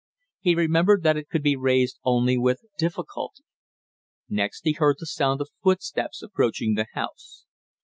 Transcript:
He remembered that it could be raised only with difficulty. Next he heard the sound of footsteps approaching the house.